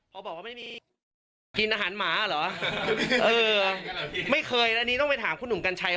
ชั้นแสบว่าไม่ได้มีการตบก็ไม่แสบว่าเกิดไปกับหนุ่มกัญชัย